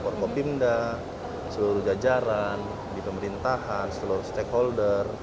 orang orang pindah seluruh jajaran di pemerintahan seluruh stakeholder